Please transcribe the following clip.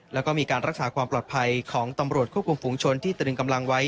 แล้วก็มีการรักษาความปลอดภัยของตำรวจควบคุมฝุงชนที่ตรึงกำลังไว้